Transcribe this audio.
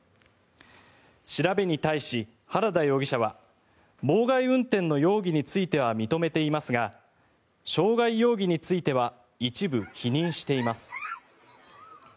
調べに対し、原田容疑者は妨害運転の容疑については認めていますが傷害容疑については一部否認しています。